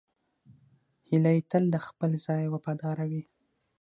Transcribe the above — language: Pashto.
هیلۍ تل د خپل ځای وفاداره وي